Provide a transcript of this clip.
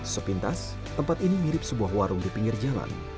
sepintas tempat ini mirip sebuah warung di pinggir jalan